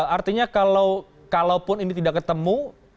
artinya kalau pun ini tidak ketemu